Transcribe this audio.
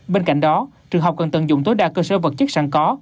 bên cạnh đó trường học cần tận dụng tối đa cơ sở vật chất sẵn có